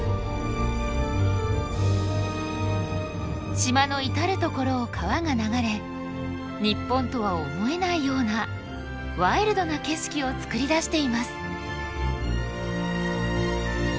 島の至る所を川が流れ日本とは思えないようなワイルドな景色を作り出しています。